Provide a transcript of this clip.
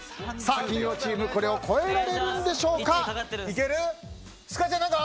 金曜チーム、これを超えられるんでしょうか。